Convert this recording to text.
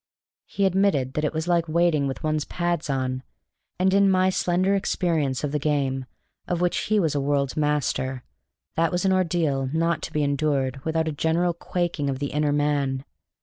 He admitted that it was like waiting with one's pads on; and in my slender experience of the game of which he was a world's master, that was an ordeal not to be endured without a general quaking of the inner man.